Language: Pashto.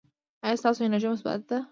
ایا ستاسو انرژي مثبت ده؟